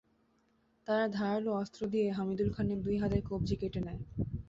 তারা ধারালো অস্ত্র দিয়ে হামিদুল খানের দুই হাতের কবজি কেটে নেয়।